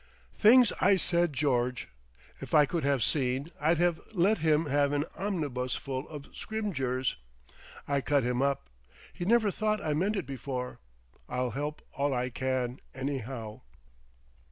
Things I said, George. If I could have seen, I'd have let him have an omnibusful of Scrymgeours. I cut him up. He'd never thought I meant it before.... I'll help all I can, anyhow."